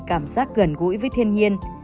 cảm giác gần gũi với thiên nhiên